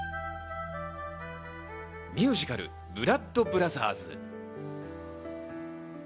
ミュージカル『ブラッド・ブラザーズ』。